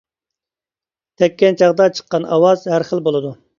تەگكەن چاغدا چىققان ئاۋاز ھەر خىل بولىدۇ.